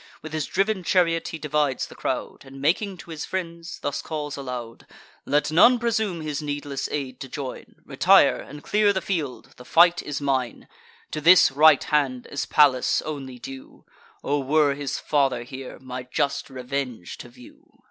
With his driv'n chariot he divides the crowd, And, making to his friends, thus calls aloud: "Let none presume his needless aid to join; Retire, and clear the field; the fight is mine: To this right hand is Pallas only due; O were his father here, my just revenge to view!"